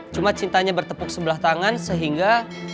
cuma cintanya bertepuk sebelah tangan sehingga